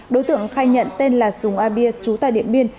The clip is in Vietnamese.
đối tượng khai nhận tên là súng a bia chú tài điện biên